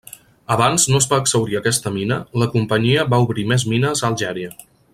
Abans no es va exhaurir aquesta mina, la companyia va obrir més mines a Algèria.